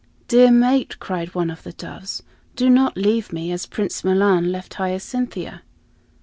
"Dear mate," cried one of the doves, "do not leave me as Prince Milan left Hyacinthia."